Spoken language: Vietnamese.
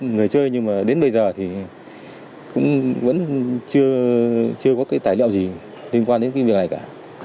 người chơi nhưng mà đến bây giờ thì cũng vẫn chưa có cái tài liệu gì liên quan đến cái việc này cả